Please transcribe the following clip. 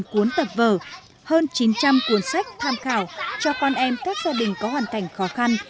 một cuốn tập vở hơn chín trăm linh cuốn sách tham khảo cho con em các gia đình có hoàn cảnh khó khăn